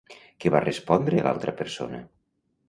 Què va respondre l'altra persona?